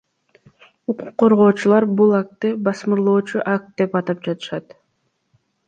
Укук коргоочулар бул актты басмырлоочу акт деп атап жатышат.